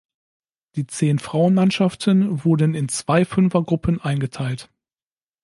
Die zehn Frauenmannschaften wurden in zwei Fünfergruppen eingeteilt.